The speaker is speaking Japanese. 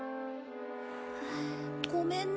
ごめんね。